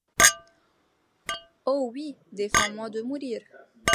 Oh oui, défends-moi de mourir.